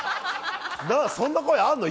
そんな声あるの？